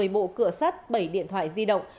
một mươi bộ cửa sắt bảy điện thoại di động